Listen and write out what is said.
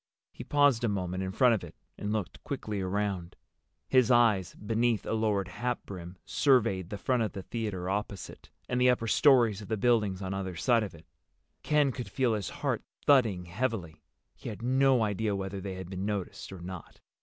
He paused a moment in front of it and looked quickly around. His eyes, beneath a lowered hatbrim, surveyed the front of the theater opposite, and the upper stories of the buildings on either side of it. Ken could feel his heart thudding heavily. He had no idea whether they had been noticed or not.